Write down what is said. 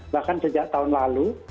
bahkan sejak tahun lalu